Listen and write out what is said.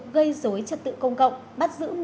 gây dối trật tự công cộng bắt giữ